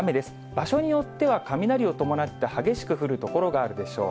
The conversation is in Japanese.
場所によっては、雷を伴って激しく降る所があるでしょう。